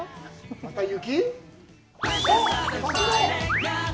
また雪？